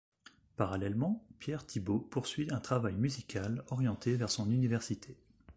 Parallèlement, Pierre Thibaud poursuit un travail musical orienté vers son université.